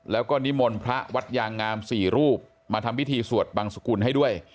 แล้วก็นิมนต์พระวัดยางงาม๔รูปมาทำพิธีสวดบังสกุลให้ด้วย